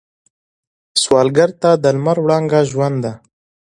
سوالګر ته د لمر وړانګه ژوند ده